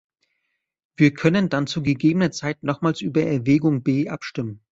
Wir können dann zu gegebener Zeit nochmals über Erwägung B abstimmen.